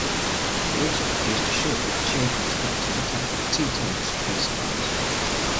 He also produced a short lived children's cartoon titled Tea Time with Space Dinosaur.